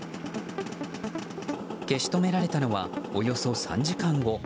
消し止められたのはおよそ３時間後。